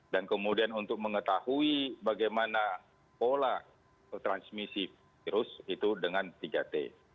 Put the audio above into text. dan kemudian untuk mengetahui bagaimana pola transmisi virus itu dengan tiga t